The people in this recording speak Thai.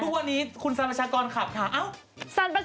ทุกวันนี้คุณซันปรัชกรข่าว